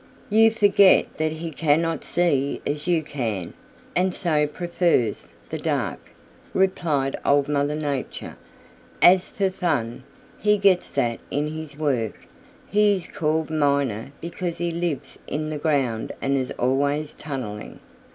"You forget that he cannot see as you can, and so prefers the dark," replied Old Mother Nature. "As for fun, he gets that in his work. He is called Miner because he lives in the ground and is always tunneling."